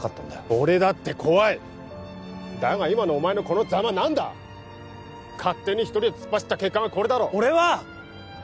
俺だって怖いだが今のお前のこのザマは何だ勝手に一人で突っ走った結果がこれだろ俺は！